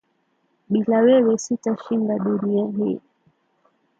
Bila wewe sita shinda dunia hii